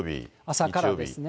朝からですね。